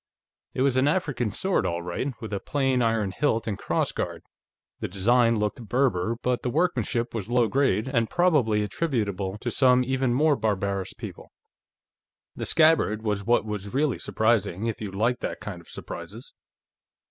It was an African sword, all right, with a plain iron hilt and cross guard. The design looked Berber, but the workmanship was low grade, and probably attributable to some even more barbarous people. The scabbard was what was really surprising, if you liked that kind of surprises.